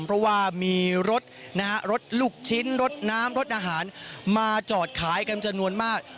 เพราะว่ามีรถนะฮะรถลูกชิ้นรถน้ำรถอาหารมาจอดขายกันจำนวนมาก